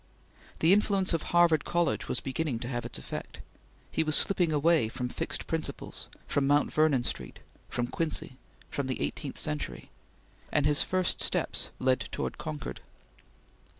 The influence of Harvard College was beginning to have its effect. He was slipping away from fixed principles; from Mount Vernon Street; from Quincy; from the eighteenth century; and his first steps led toward Concord.